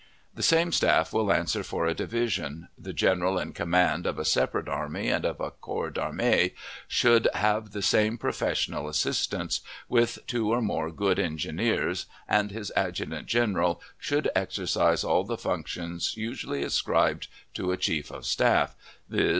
The same staff will answer for a division. The general in command of a separate army, and of a corps d'armee, should have the same professional assistance, with two or more good engineers, and his adjutant general should exercise all the functions usually ascribed to a chief of staff, viz.